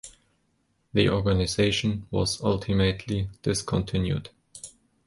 The organization was ultimately discontinued.